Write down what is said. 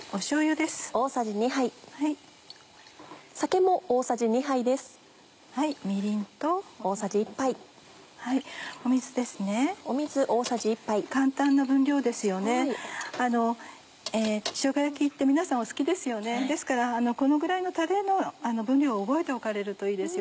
ですからこのぐらいのたれの分量を覚えておかれるといいです